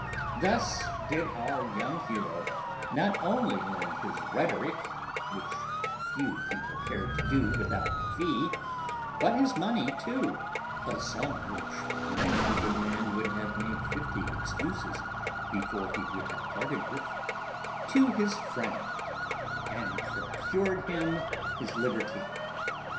Thus did our young hero not only lend his rhetoric, which few people care to do without a fee, but his money too (a sum which many a good man would have made fifty excuses before he would have parted with), to his friend, and procured him his liberty.